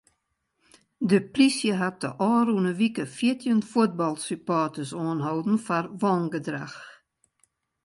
De plysje hat de ôfrûne wike fjirtjin fuotbalsupporters oanholden foar wangedrach.